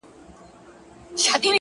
دا مي سوگند دی;